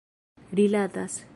rilatas